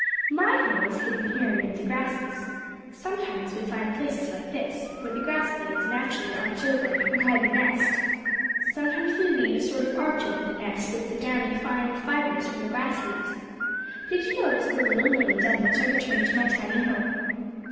"My home is hidden here amid the grasses. Sometimes we find places like this, where the grass blades naturally arch over and hide the nest. "Sometimes we weave a sort of arch over the nest with the downy, fine fibres from the grass leaves. "Did you notice the little lane down which I returned to my tiny home?"